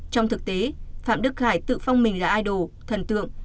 trong thực tế phạm đức khải tự phong mình là idol thần tượng